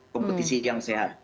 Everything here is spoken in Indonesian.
kompetisi yang sehat